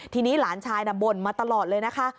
ทีนี้หลานชายน่ะบ่นมาตลอดเลยนะคะ